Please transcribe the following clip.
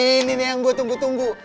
ini nih yang gue tunggu tunggu